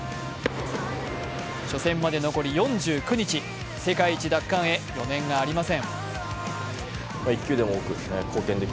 初戦まで残り４９日、世界一奪還へ余念がありません。